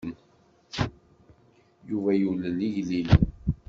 Yuba yulel igellilen.